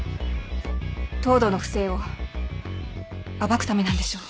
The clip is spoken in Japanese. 藤堂の不正を暴くためなんでしょ？